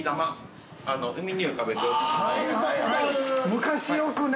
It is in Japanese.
◆昔よくね。